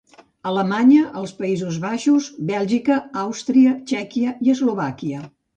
Alemanya, els Països Baixos, Bèlgica, Àustria, Txèquia i Eslovàquia.